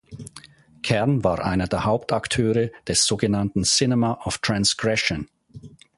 Kern war einer der Hauptakteure des so genannten Cinema of Transgression.